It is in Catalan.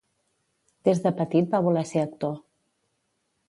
Des de petit va voler ser actor.